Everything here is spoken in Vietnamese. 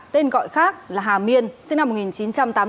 tên gọi khác là hà miên sinh năm một nghìn chín trăm tám mươi bốn